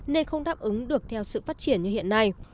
nên không đáp ứng được theo sự phát triển như hiện nay